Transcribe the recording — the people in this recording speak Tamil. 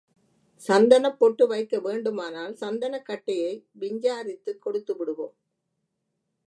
சந்தனப் பொட்டு வைக்க வேண்டுமானால் சந்தனக் கட்டையை விஞ்சாரித்துக் கொடுத்துவிடுவோம்.